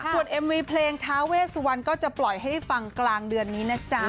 ส่วนเอ็มวีเพลงท้าเวสวันก็จะปล่อยให้ฟังกลางเดือนนี้นะจ๊ะ